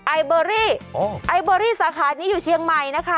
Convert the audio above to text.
ไอเบอรี่ไอเบอรี่สาขานี้อยู่เชียงใหม่นะคะ